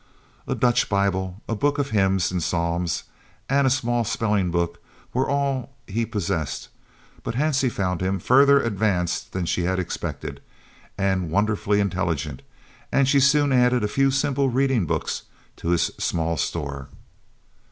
A Dutch Bible, a book of hymns and psalms, and a small spelling book were all he possessed, but Hansie found him further advanced than she had expected, and wonderfully intelligent, and she soon added a few simple reading books to his small store.